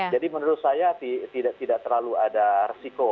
jadi menurut saya tidak terlalu ada resiko